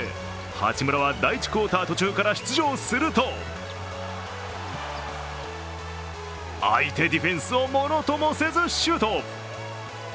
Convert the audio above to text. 八村は第１クオーター途中から出場すると、相手ディフェンスをものともせずシュート。